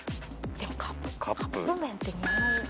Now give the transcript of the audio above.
でもカップ麺って日本。